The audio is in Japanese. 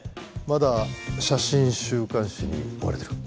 まだ写真週刊誌に追われてる？